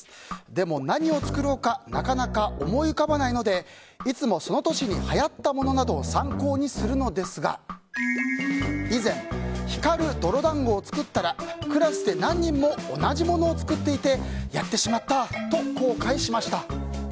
でも、何を作ろうかなかなか思い浮かばないのでいつも、その年にはやったものなどを参考にするのですが以前、光る泥団子を作ったらクラスで何人も同じものを作っていてやってしまったと後悔しました。